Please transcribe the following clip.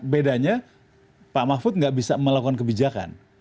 bedanya pak mahfud nggak bisa melakukan kebijakan